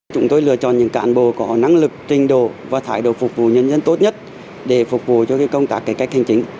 chúng tôi lựa chọn những cán bộ có năng lực trình độ và thải độ phục vụ nhân dân tốt nhất để phục vụ cho công tác kế cách hành chính